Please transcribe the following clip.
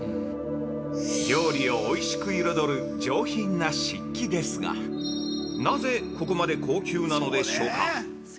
◆料理をおいしく彩る上品な漆器ですが、なぜここまで高級なのでしょうか。